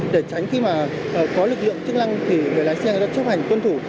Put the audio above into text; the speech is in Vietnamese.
để tránh khi mà có lực lượng chức lăng thì người lái xe đã chấp hành tuân thủ